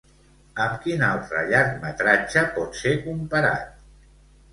Amb quin altre llargmetratge pot ser comparat?